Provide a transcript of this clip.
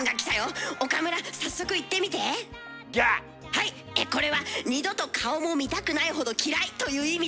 はいこれは「二度と顔も見たくないほど嫌い」という意味です。